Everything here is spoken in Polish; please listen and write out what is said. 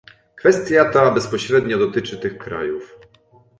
Kwestia ta bezpośrednio dotyczy tych krajów